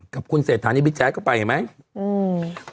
กับคุณเศษฐานิวิชัยก็ไปเห็นไหมอืม